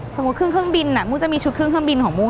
สมมุติครึ่งบินมู้จะมีชุดครึ่งบินของมู้